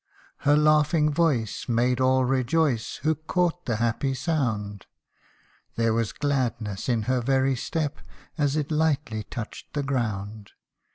241 Her laughing voice made all rejoice, Who caught the happy sound ; There was gladness in her very step, As it lightly touched the ground.